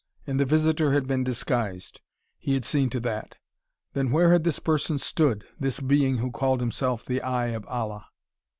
And the visitor had been disguised; he had seen to that. Then, where had this person stood this being who called himself the Eye of Allah?